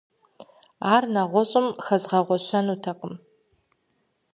Ар нэгъуэщӀым хэзгъэгъуэщэнутэкъым.